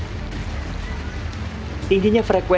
tingginya frekuensi dan dampaknya